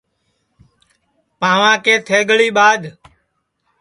پاواں کے تھیگݪی ٻادھ